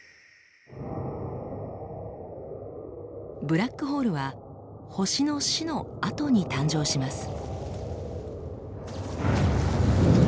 ブラックホールは星の死のあとに誕生します。